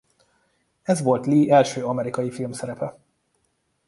Ez volt Lee első amerikai filmszerepe.